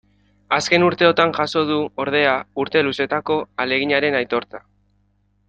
Azken urteotan jaso du, ordea, urte luzetako ahaleginaren aitortza.